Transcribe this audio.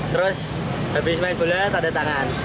terus habis main bola tak ada tangan